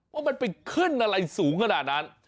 ว่ามันไปขึ้นอะไรสูงขนาดนั้น